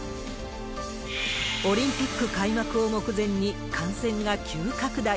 オリンピック開幕を目前に、感染が急拡大。